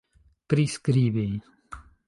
priskribi